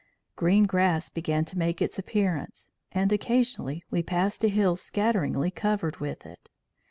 Green grass began to make its appearance, and occasionally we passed a hill scatteringly covered with it.